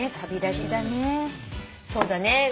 そうだね。